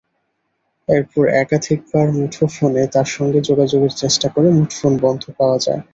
এরপর একাধিকবার মুঠোফোনে তার সঙ্গে যোগাযোগের চেষ্টা করে মুঠোফোন বন্ধ পাওয়া যায়।